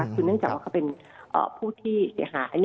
คุณนึกจังว่าเขาเป็นผู้ที่เสียหาย